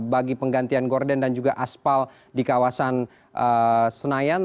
bagi penggantian gorden dan juga aspal di kawasan senayan